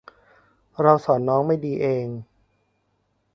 เราสอนน้องไม่ดีเอง